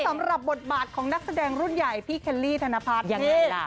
สำหรับบทบาทของนักแสดงรุ่นใหญ่พี่เคลลี่ธนภาพยังไงล่ะ